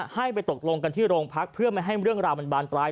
ให้ไปตกลงกันที่โรงพักเพื่อไม่ให้เรื่องราวมันบานปลาย